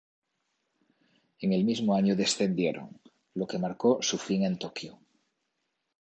En el mismo año descendieron, lo que marcó su fin en Tokio.